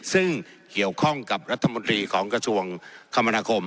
ซึ่งเกี่ยวข้องกับรัฐมนตรีของกระทรวงคมนาคม